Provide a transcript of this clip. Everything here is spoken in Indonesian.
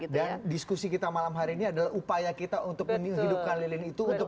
dan diskusi kita malam hari ini adalah upaya kita untuk menghidupkan lilin itu